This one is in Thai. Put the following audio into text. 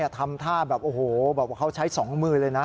ทำท่าแบบโอ้โหเขาใช้สองมือเลยนะ